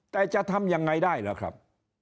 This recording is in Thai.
แต่จะทำยังไงได้ล่ะครับ